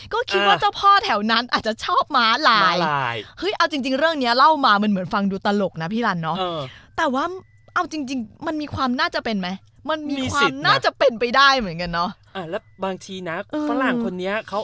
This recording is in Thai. ก็คิดว่าเจ้าพ่อแถวนั้นอาจจะชอบม้าลาย